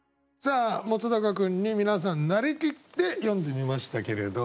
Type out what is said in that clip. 本君に皆さんなりきって詠んでみましたけれど。